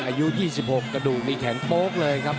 อายุ๒๖กระดูกนี่แข็งโป๊กเลยครับ